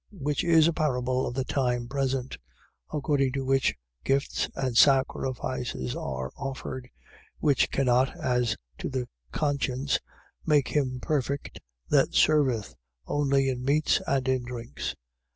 9:9. Which is a parable of the time present: according to which gifts and sacrifices are offered, which cannot, as to the conscience, make him perfect that serveth, only in meats and in drinks, 9:10.